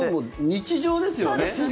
日常ですよね。